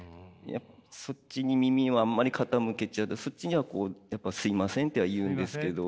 そっちに耳をあんまり傾けちゃうそっちにはこうやっぱ「すみません」っては言うんですけど。